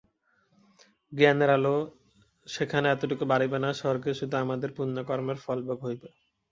জ্ঞানের আলো সেখানে এতটুকু বাড়িবে না, স্বর্গে শুধু আমাদের পুণ্যকর্মের ফলভোগ হইবে।